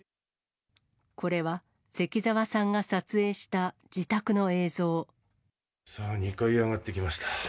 これは関澤さんが撮影した自さあ、２階に上がってきました。